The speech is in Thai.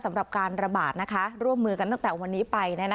สำหรับการระบาดร่วมมือกันตั้งแต่วันนี้ไป